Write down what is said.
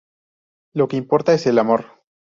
Lo que importa es el amor".